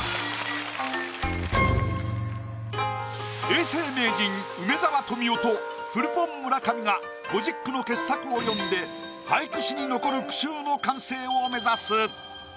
永世名人梅沢富美男とフルポン村上が５０句の傑作を詠んで俳句史に残る句集の完成を目指す。